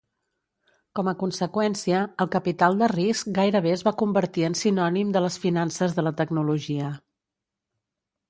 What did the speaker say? Com a conseqüència, el capital de risc gairebé es va convertir en sinònim de les finances de la tecnologia.